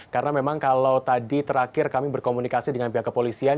karena memang kalau tadi terakhir kami berkomunikasi dengan pihak kepolisian